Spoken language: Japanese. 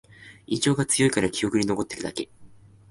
印象が強いから記憶に残ってるだけ